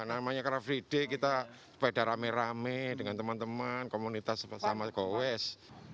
namanya car free day kita sepeda rame rame dengan teman teman komunitas sama gowes